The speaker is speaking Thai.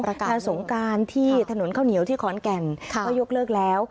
การงานสงการที่ถนนข้าวเหนียวที่ขอนแก่นก็ยกเลิกแล้ว